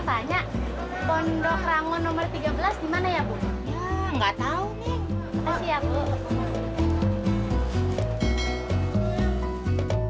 aduh aduh aduh